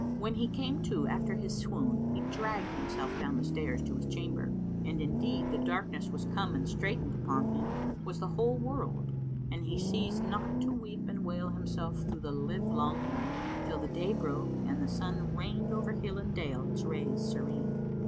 When he came to after his swoon, he dragged himself down the stairs to his chamber; and indeed, the darkness was come and straitened upon him was the whole world and he ceased not to weep and wail himself through the livelong night, till the day broke and the sun rained over hill and dale its rays serene.